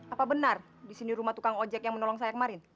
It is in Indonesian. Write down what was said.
apa benar di sini rumah tukang ojek yang menolong saya kemarin